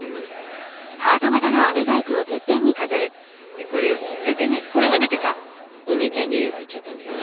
でこれをきっかけにこれ食べてかお姉ちゃんニューヨーク行っちゃったんだよね。